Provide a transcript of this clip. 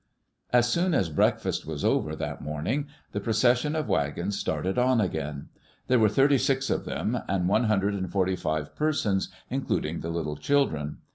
As soon as breakfast was over that morning, the pro cession of wagons started on again. There were thirty six of them, and one hundred and forty five persons, including the little children.